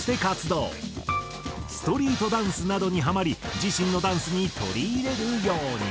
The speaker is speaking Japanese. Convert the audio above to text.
ストリートダンスなどにハマり自身のダンスに取り入れるように。